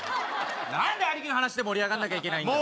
何で兄貴の話で盛り上がんなきゃいけないんだ